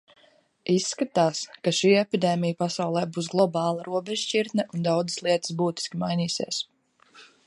Izskatās, ka šī epidēmija pasaulē būs globāla robežšķirtne un daudzas lietas būtiski mainīsies.